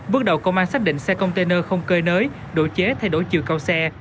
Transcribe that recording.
bước đầu công an xác định xe container không cơi nới độ chế thay đổi chiều cao xe